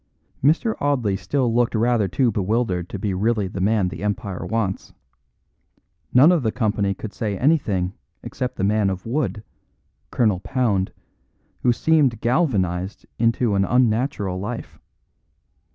Mr. Audley still looked rather too bewildered to be really the man the empire wants; none of the company could say anything except the man of wood Colonel Pound who seemed galvanised into an unnatural life.